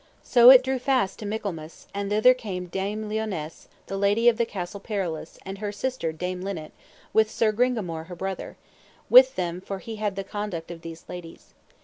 So it drew fast to Michaelmas; and thither came Dame Lionesse, the lady of the Castle Perilous, and her sister, Dame Linet, with Sir Gringamore, her brother, with them for he had the conduct of these ladies.